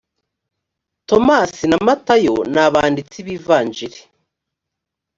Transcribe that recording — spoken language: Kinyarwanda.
tomasi na matayo nabanditsi bivanjiri.